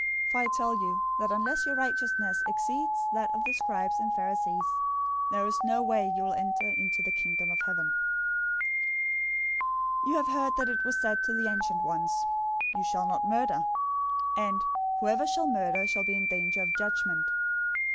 005:020 For I tell you that unless your righteousness exceeds that of the scribes and Pharisees, there is no way you will enter into the Kingdom of Heaven. 005:021 "You have heard that it was said to the ancient ones, 'You shall not murder;'{Exodus 20:13} and 'Whoever shall murder shall be in danger of the judgment.'